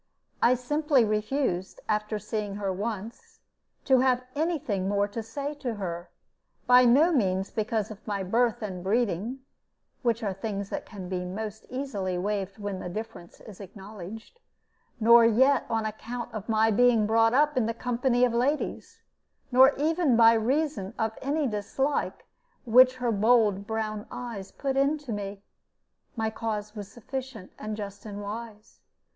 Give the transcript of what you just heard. I simply refused, after seeing her once, to have any thing more to say to her; by no means because of my birth and breeding (which are things that can be most easily waived when the difference is acknowledged), nor yet on account of my being brought up in the company of ladies, nor even by reason of any dislike which her bold brown eyes put into me. My cause was sufficient and just and wise.